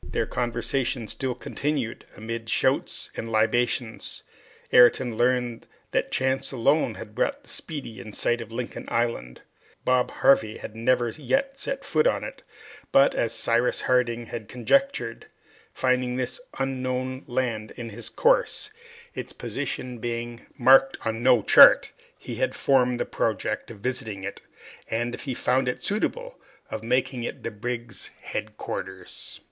The conversation still continued amid shouts and libations. Ayrton learned that chance alone had brought the "Speedy" in sight of Lincoln Island; Bob Harvey had never yet set foot on it; but, as Cyrus Harding had conjectured, finding this unknown land in his course, its position being marked on no chart, he had formed the project of visiting it, and, if he found it suitable, of making it the brig's headquarters.